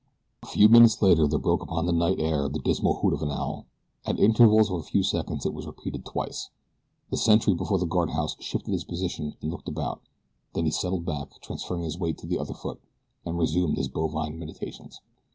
A few minutes later there broke upon the night air the dismal hoot of an owl. At intervals of a few seconds it was repeated twice. The sentry before the guardhouse shifted his position and looked about, then he settled back, transferring his weight to the other foot, and resumed his bovine meditations.